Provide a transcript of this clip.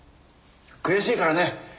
悔しいからね。